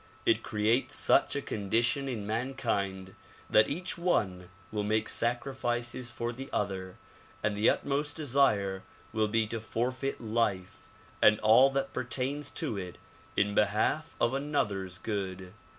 It creates such a condition in mankind that each one will make sacrifices for the other and the utmost desire will be to forfeit life and all that per tains to it in behalf of another's good.